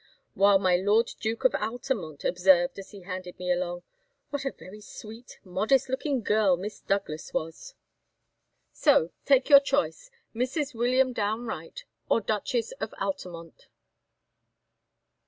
While my Lord Duke of Altamont observed, as he handed me along, 'What a very sweet modest looking girl Miss Douglas was! 'So take your choice Mrs. William Downe Wright, or Duchess of Altamont!"